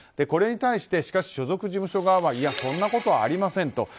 これに対して、しかし所属事務所側はいや、そんなことはありませんと。